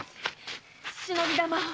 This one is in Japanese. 忍び玉を。